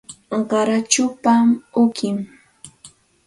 Qarachupa uqim